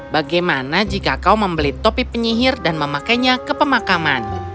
bagaimana jika kau membeli topi penyihir dan memakainya ke pemakaman